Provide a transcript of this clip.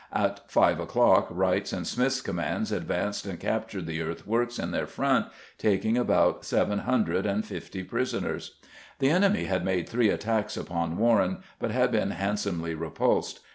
At five o'clock Wright's and Smith's commands advanced and captured the earthworks in their front, taking about 750 prisoners. The enemy had made three attacks upon Warren, but had been handsomely repulsed.